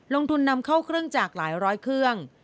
ลงทุนนำเข้าเครื่องจากหลายร้อยเครื่อง